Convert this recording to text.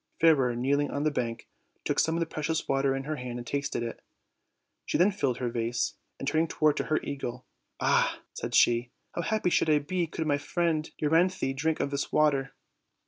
Fairer, kneel ing on the bank, took some of the precious water in her hand and tasted it. She then filled her vase, and, turn ing to her eagle: "Ah!" said die, "how happy should I be could my friend Euryanthe drink of this water."